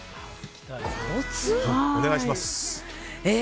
お願いします。